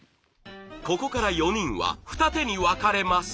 ここから４人は二手に分かれます。